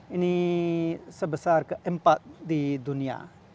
ini sebesar keempat di dunia